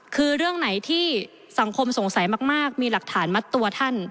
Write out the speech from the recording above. คือเรื่องไหนที่สังคมสงสัยมากมีหลักฐานมัดตัวท่าน